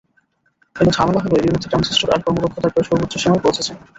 কিন্তু ঝামেলা হলো, এরই মধ্যে ট্রানজিস্টর তার কর্মদক্ষতার প্রায় সর্বোচ্চ সীমায় পৌঁছেছে।